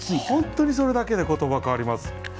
本当にそれだけで言葉変わります。